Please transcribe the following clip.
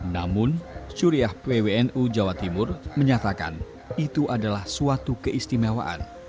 namun curiah pwnu jawa timur menyatakan itu adalah suatu keistimewaan